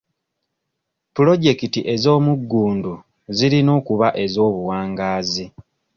Pulojekiti ez'omugundu zirina okuba ez'obuwangaazi.